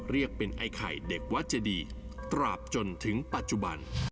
เรียกเป็นไอ้ไข่เด็กวัดเจดีตราบจนถึงปัจจุบัน